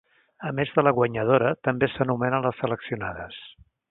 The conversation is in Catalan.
A més de la guanyadora, també s'anomenen les seleccionades.